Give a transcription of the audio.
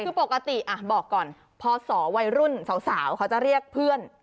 คือปกติบอกก่อนพศวัยรุ่นสาวเขาจะเรียกเพื่อน